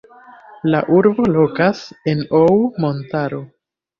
La urbo lokas en Ou montaro.